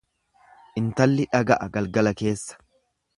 Intalli dhaga'a galgala keessa.